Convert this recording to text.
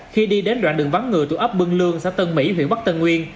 khi đi đến đoạn đường vắng ngừa tù ấp bưng lương xã tân mỹ huyện bắc tân uyên